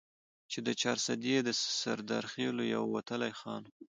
چې د چارسدي د سردرخيلو يو وتلے خان وو ،